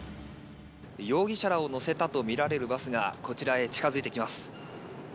容疑者らを乗せたとみられるバスがこちらへ近付いてきます。